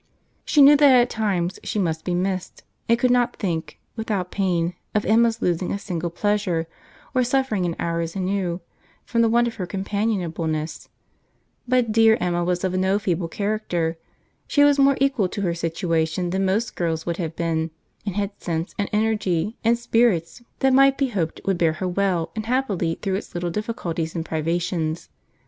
She knew that at times she must be missed; and could not think, without pain, of Emma's losing a single pleasure, or suffering an hour's ennui, from the want of her companionableness: but dear Emma was of no feeble character; she was more equal to her situation than most girls would have been, and had sense, and energy, and spirits that might be hoped would bear her well and happily through its little difficulties and privations.